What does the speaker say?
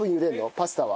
パスタは。